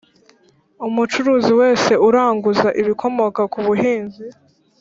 Umucuruzi wese uranguza ibikomoka ku buhinzi